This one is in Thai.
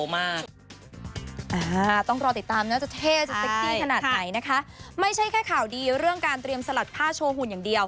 ไม่ใช่แค่ข่าวดีเรื่องการตรียมสลัดผ้าโชว์หุ่นอย่างเดียว